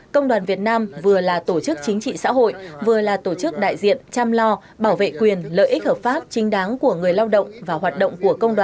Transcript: công đoàn việt nam vừa là tổ chức chính trị xã hội vừa là tổ chức đại diện chăm lo bảo vệ quyền lợi ích hợp pháp chính đáng của người lao động và hoạt động của công đoàn